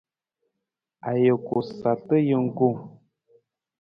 Ajuku sarta jungku.